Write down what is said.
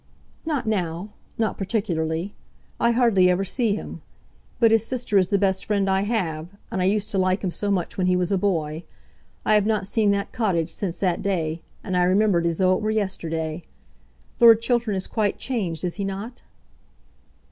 "Not now, not particularly. I hardly ever see him. But his sister is the best friend I have, and I used to like him so much when he was a boy! I have not seen that cottage since that day, and I remember it as though it were yesterday. Lord Chiltern is quite changed, is he not?"